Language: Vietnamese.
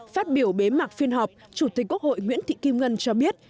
phát biểu bế mạc phiên họp chủ tịch quốc hội nguyễn thị kim ngân cho biết